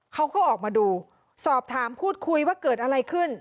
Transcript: เขาก็ออกมาดูสอบถามพูดคุยว่าเกิดอะไรขึ้น